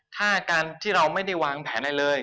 ถ้าการที่เราไม่ได้วางแผนอะไรเลย